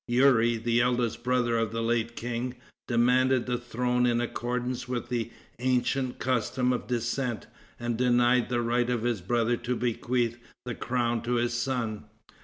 Youri, the eldest brother of the late king, demanded the throne in accordance with the ancient custom of descent, and denied the right of his brother to bequeath the crown to his son.